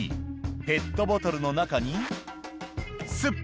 「ペットボトルの中にすっぽり！」